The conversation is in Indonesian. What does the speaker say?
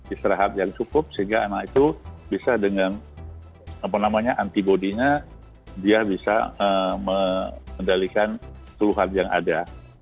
istirahat yang cukup sehingga anak itu bisa dengan apa namanya antibody nya dia bisa mendalikan peluhat yang ada